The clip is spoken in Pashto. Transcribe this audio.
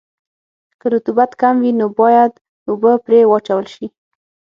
که رطوبت کم وي نو باید اوبه پرې واچول شي